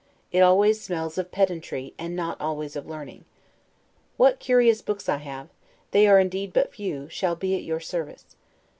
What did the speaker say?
It always smells of pedantry, and not always of learning. What curious books I have they are indeed but few shall be at your service.